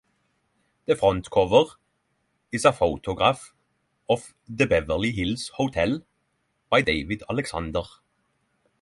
The front cover is a photograph of the Beverly Hills Hotel by David Alexander.